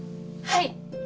はい！